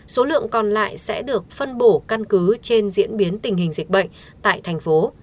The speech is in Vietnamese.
số lượng còn lại sẽ được phân bổ căn cứ trên diễn biến tình hình dịch bệnh tại thành phố